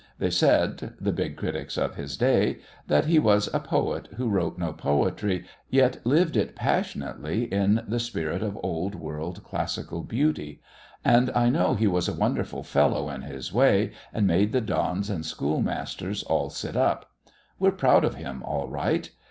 They said the big critics of his day that he was "a poet who wrote no poetry, yet lived it passionately in the spirit of old world, classical Beauty," and I know he was a wonderful fellow in his way and made the dons and schoolmasters all sit up. We're proud of him all right.